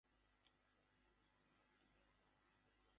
পশ্চিমবঙ্গের জলবায়ু ক্রান্তীয় মৌসুমী প্রকৃতির।